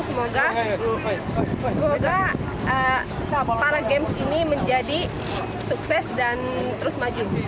semoga para games ini menjadi sukses dan terus maju